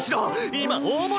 今大物が。